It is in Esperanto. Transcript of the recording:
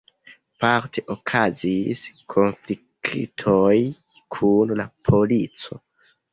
Parte okazis konfliktoj kun la polico.